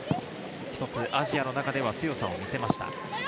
アジアの中では強さを見せました。